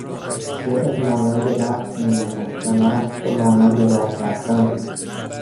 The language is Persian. شعر مانند رقص میماند و نثر مانند راه رفتن